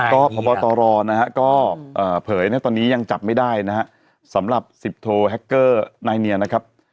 ก็พบตรนะฮะก็เผยนะตอนนี้ยังจับไม่ได้นะฮะสำหรับสิบโทแฮคเกอร์นายเนียนะครับ